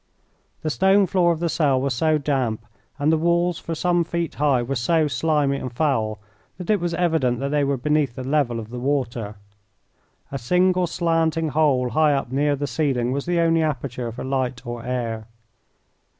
The stone floor of the cell was so damp and the walls for some feet high were so slimy and foul that it was evident they were beneath the level of the water. A single slanting hole high up near the ceiling was the only aperture for light or air.